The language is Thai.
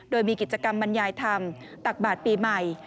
โดยมีกิจกรรมบรรยายธรรมตักบาทปีใหม่